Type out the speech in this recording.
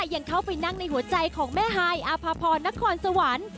ยังเข้าไปนั่งในหัวใจของแม่ฮายอาภาพรนครสวรรค์